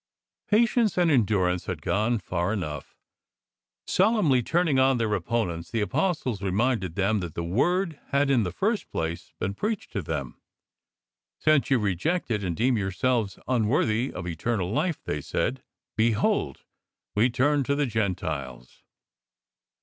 Patience and endurance had gone far enough. Solemnly turning on their oppon ents, the Apostles reminded them that the Word had in the first place been preached to them. " Since you reject it, and deem your selves unworthy of eternal life," they said, " behold we turn to the Gentiles."